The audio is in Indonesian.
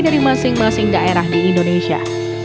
dari masing masing daerah di indonesia